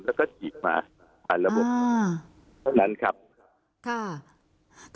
แล้วก็สีดมาด้านระบบ